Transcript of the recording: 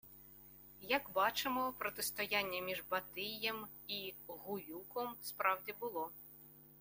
Як бачимо, протистояння між Батиєм і Гуюком справді було